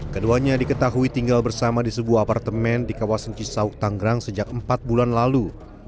keduanya diketahui tinggal bersama di sebuah apartemen di kawasan cisauk tanggrang sejak empat bulan lalu